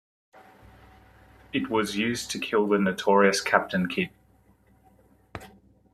It was used to kill the notorious Captain Kidd.